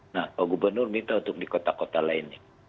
nah pak gubernur minta untuk di kota kota lainnya